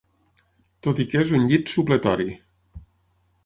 Tot i que és un llit supletori.